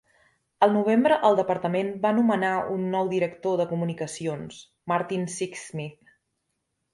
Al novembre, el departament va nomenar un nou director de comunicacions, Martin Sixsmith.